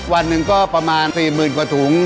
วันหนึ่งก็ประมาณ๔๐๐๐กว่าถุง